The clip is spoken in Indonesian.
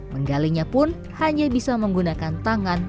menggalinya pun hanya bisa menggunakan tangan